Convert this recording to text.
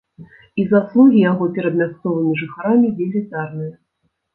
І заслугі яго перад мясцовымі жыхарамі велізарныя.